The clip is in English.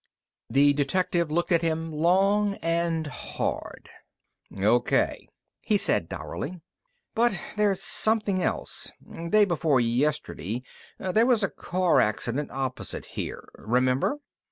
The detective looked at him long and hard. "O.K.," he said dourly. "But there's something else. Day before yesterday there was a car accident opposite here. Remember?"